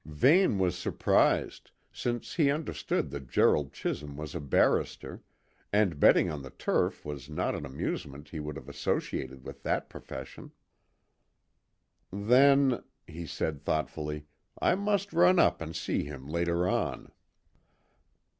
Vane was surprised, since he understood that Gerald Chisholm was a barrister, and betting on the turf was not an amusement he would have associated with that profession. "Then," he said thoughtfully, "I must run up and see him later on."